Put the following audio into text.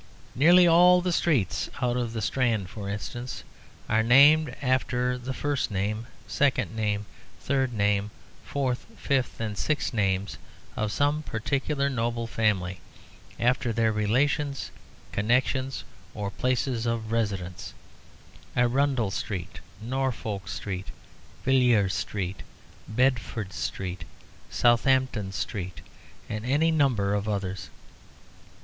Nearly all the streets out of the Strand, for instance, are named after the first name, second name, third name, fourth, fifth, and sixth names of some particular noble family; after their relations, connections, or places of residence Arundel Street, Norfolk Street, Villiers Street, Bedford Street, Southampton Street, and any number of others.